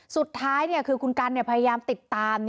สุดท้ายคือคุณกันพยายามติดตาม